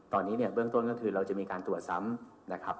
ตอนนี้เนี่ยเบื้องต้นก็คือเราจะมีการตรวจซ้ำนะครับ